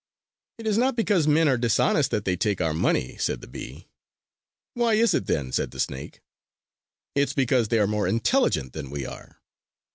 "It is not because men are dishonest that they take our honey," said the bee. "Why is it then?" said the snake. "It's because they are more intelligent than we are!"